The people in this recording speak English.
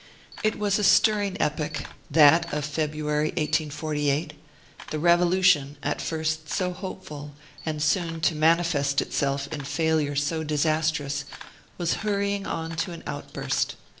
It was a stirring epoch, that of February, 1848. The Revolution, at first so hopeful, and soon to manifest itself in failure so disastrous, was hurrying to an outburst.